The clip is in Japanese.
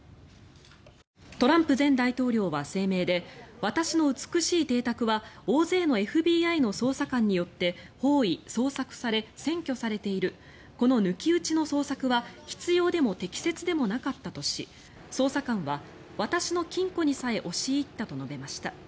トランプ前大統領は声明で私の美しい邸宅は大勢のＦＢＩの捜査官によって包囲・捜索され占拠されているこの抜き打ちの捜索は必要でも適切でもなかったとし捜査官は私の金庫にさえ押し入ったと述べました。